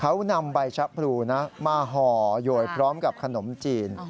เขานำใบชะพรูนะมาห่อโยยพร้อมกับขนมจีน